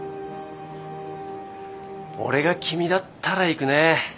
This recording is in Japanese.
俺が君だったら行くね。